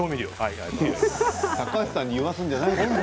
高橋さんに言わせるんじゃないの。